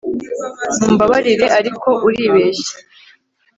Mumbabarire ariko uribeshya